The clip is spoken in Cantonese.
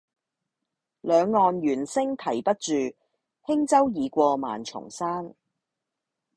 兩岸猿聲啼不住，輕舟已過萬重山。